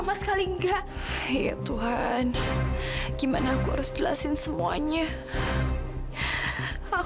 banyak utang ya